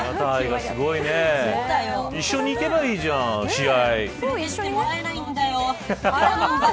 すごいね一緒に行けばいいじゃん試合。